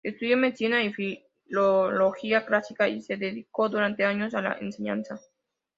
Estudió Medicina y Filología clásica y se dedicó durante años a la enseñanza.